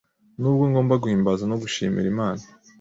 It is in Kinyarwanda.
Nubwo ngomba guhimbaza no gushimira Imana